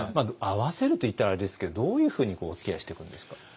合わせると言ったらあれですけどどういうふうにおつきあいしていくんですか？